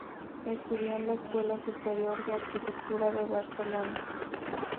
Estudió en la Escuela Superior de Arquitectura de Barcelona.